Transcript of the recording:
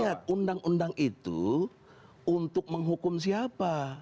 ingat undang undang itu untuk menghukum siapa